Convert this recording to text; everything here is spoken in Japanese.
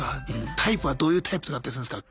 タイプはどういうタイプとかだったりするんすか？